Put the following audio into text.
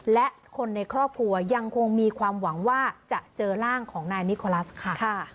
และคนในครอบครัวยังคงมีความหวังว่าจะเจอร่างของนายนิโคลัสค่ะ